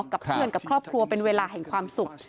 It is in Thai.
กับเพื่อนกับครอบครัวเป็นเวลาแห่งความสุข